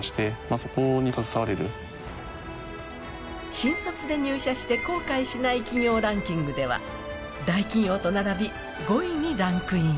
新卒で入社して後悔しない企業ランキングでは大企業と並び、５位にランクイン。